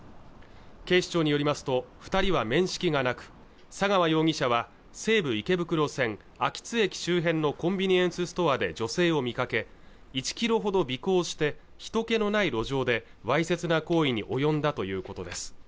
警視庁によりますと二人は面識がなく佐川容疑者は西武池袋線秋津駅周辺のコンビニエンスストアで女性を見かけ１キロほど尾行して人気のない路上でわいせつな行為に及んだということです